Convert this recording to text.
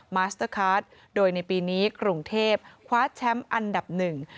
มาสเตอร์คาร์ดโดยในปีนี้กรุงเทพคว้าแชมป์อันดับหนึ่ง